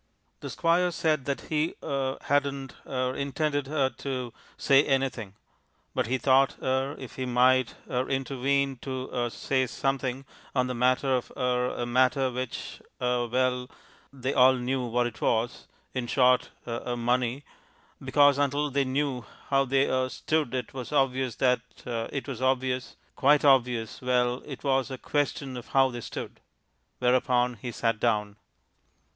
The Squire said that he er hadn't er intended er to say anything. But he thought er if he might er intervene to er say something on the matter of er a matter which er well, they all knew what it was in short er money. Because until they knew how they er stood, it was obvious that it was obvious quite obvious well it was a question of how they stood. Whereupon he sat down.